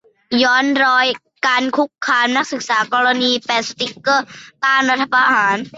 ย้อนรอยการคุกคามนักศึกษา กรณีแปะสติ๊กเกอร์ต้านรัฐประหาร